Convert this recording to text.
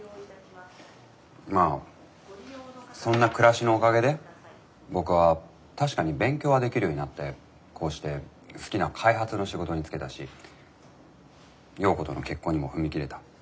まあそんな暮らしのおかげで僕は確かに勉強はできるようになってこうして好きな開発の仕事につけたし耀子との結婚にも踏み切れた。